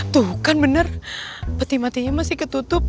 tuh kan bener peti matinya masih ketutup